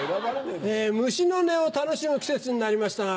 虫の音を楽しむ季節になりましたが。